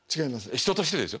人としてですよ。